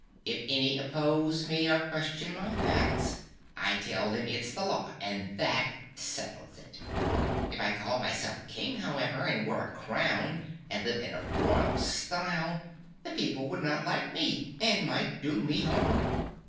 If any oppose me or question my acts, I tell them it's the law and that settles it. If I called myself King, however, and wore a crown and lived in royal style, the people would not like me and might do me harm.